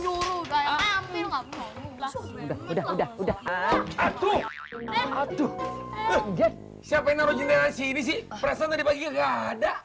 udah udah udah udah ah tuh aduh siapa yang ngerjain sini sih perasaan tadi bagian kada